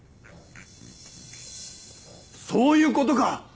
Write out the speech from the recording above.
そういうことか！